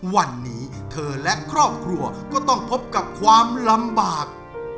วันนี้เธอและครอบครัวก็ต้องพบกับความลำบาก